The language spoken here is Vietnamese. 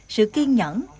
sự kiên nhẫn